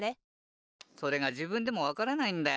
それがじぶんでもわからないんだよ。